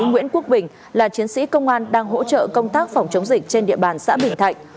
nguyễn quốc bình là chiến sĩ công an đang hỗ trợ công tác phòng chống dịch trên địa bàn xã bình thạnh